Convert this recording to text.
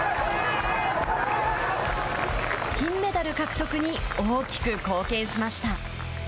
金メダル獲得に大きく貢献しました。